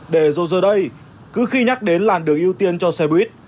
để rồi giờ đây cứ khi nhắc đến làn đường ưu tiên cho xe buýt